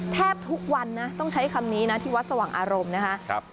แทบทุกวันนะต้องใช้คำนี้นะที่วัดสว่างอารมณ์นะคะ